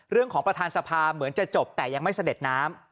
ประธานสภาเหมือนจะจบแต่ยังไม่เสด็จน้ำ